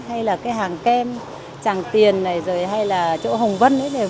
hay là cái hàng kem tràng tiền này rồi hay là chỗ hồng vân ấy